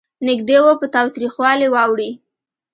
نېږدې و په تاوتریخوالي واوړي.